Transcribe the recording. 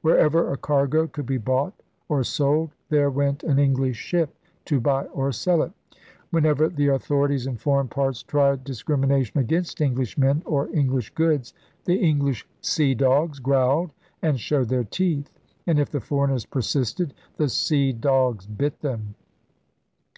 Wherever a cargo could be bought or sold there went an English ship to buy or sell it. Whenever the authorities in foreign parts tried discrimination against English men or English goods, the English sea dogs growled and showed their teeth. And if the foreigners persisted, the sea dogs bit them.